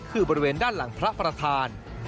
คือบริเวณด้านหลังพระประธาน